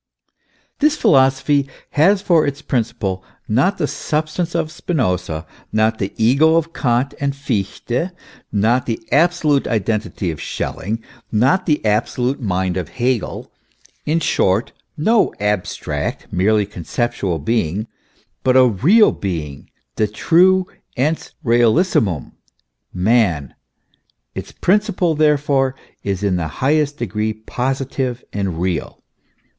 This philosophy has for its principle, not the Substance of Spinoza, not the ego of Kant and Fichte, not the Absolute Identity of Schelling, not the Absolute Mind of Hegel, in short, no abstract, merely conceptional being, but a real being, the true Ens rcalissimum man ; its principle, therefore, is in the Vlll PREFACE. highest degree positive and real.